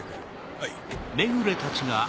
はい。